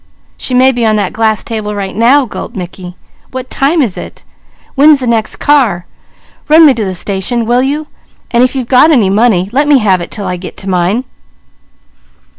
"She may be on that glass table right now," gulped Mickey. "What time is it? When's the next car? Run me to the station will you, and if you've got any money, let me have it 'til I get to mine."